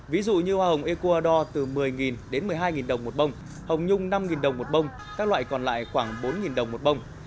ví dụ như hoa hồng ecuador từ một mươi đến một mươi hai đồng một bông hồng nhung năm đồng một bông các loại còn lại khoảng bốn đồng một bông